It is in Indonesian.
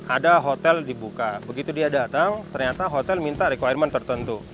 ada hotel dibuka begitu dia datang ternyata hotel minta requirement tertentu